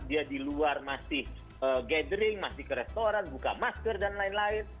dia di luar masih gathering masih ke restoran buka masker dan lain lain